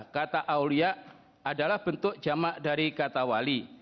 kata awliya adalah bentuk jama' dari kata wali